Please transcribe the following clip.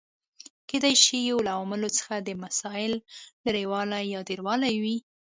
کېدای شي یو له عواملو څخه د مسالې لږوالی یا ډېروالی وي.